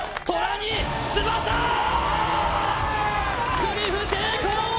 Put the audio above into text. クリフ成功！